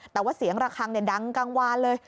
แต่ว่าเสียงระคังดังกลางวานเลย